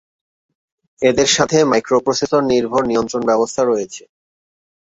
এদের সাথে মাইক্রোপ্রসেসর-নির্ভর নিয়ন্ত্রণ ব্যবস্থা রয়েছে।